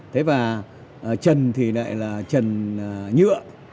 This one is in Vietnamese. thế và trần thì lại là trần nhựa